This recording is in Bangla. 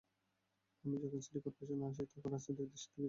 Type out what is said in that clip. আমি যখন সিটি করপোরেশনে আসি, তখন রাজনৈতিক দৃষ্টিতে কিছু দেখি না।